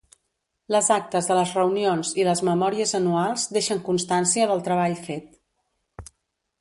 Les actes de les reunions i les memòries anuals deixen constància del treball fet.